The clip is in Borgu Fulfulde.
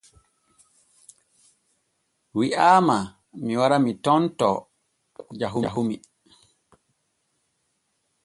Wi’aama mi wara mi tontoo ko jahumi.